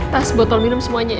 tas botol minum semuanya ya